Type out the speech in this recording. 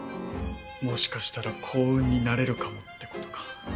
もしかしたら幸運になれるかもってことか。